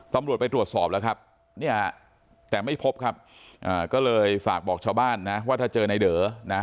ตำรวจไปตรวจสอบแล้วครับเนี่ยแต่ไม่พบครับก็เลยฝากบอกชาวบ้านนะว่าถ้าเจอในเด๋อนะ